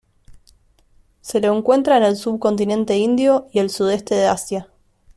Se lo encuentra en el subcontinente indio y el sudeste de Asia.